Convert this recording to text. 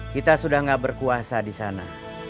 kita sudah tidak berkuasa di sana